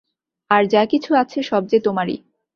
যার যা-কিছু আছে সব যে তোমারই।